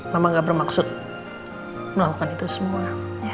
mama gak bermaksud melakukan itu semua